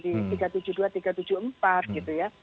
di tiga ratus tujuh puluh dua tiga ratus tujuh puluh empat gitu ya